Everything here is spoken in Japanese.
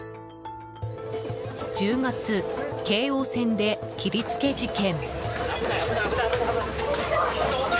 １０月、京王線で切り付け事件。